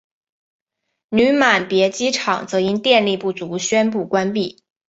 女满别机场则因电力不足宣布关闭。